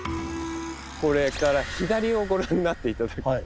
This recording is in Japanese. これから左をご覧になって頂く。